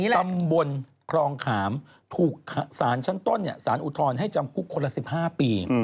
ตำบลครองขามถูกสารชั้นต้นสารอุทธรณ์ให้จำคุกคนละ๑๕ปี